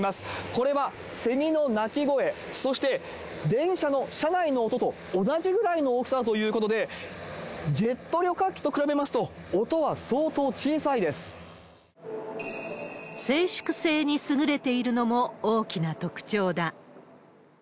これはセミの鳴き声、そして電車の車内の音と同じぐらいの大きさだということで、ジェット旅客機と比べますと、静粛性に優れているのも大きな特徴だ。